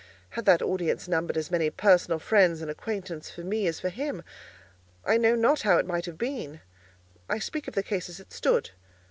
Had that audience numbered as many personal friends and acquaintance for me as for him, I know not how it might have been: I speak of the case as it stood.